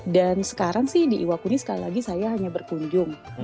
sekarang sih di iwakuni sekali lagi saya hanya berkunjung